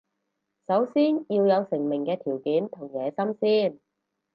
首先要有成名嘅條件同野心先